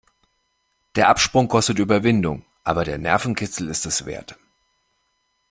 Der Absprung kostet Überwindung, aber der Nervenkitzel ist es wert.